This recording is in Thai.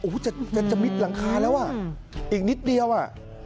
โอ้โหจะมิดหลังคาแล้วอ่ะอีกนิดเดียวอ่ะ